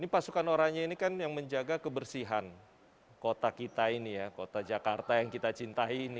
pasukan orangnya ini kan yang menjaga kebersihan kota kita ini ya kota jakarta yang kita cintai ini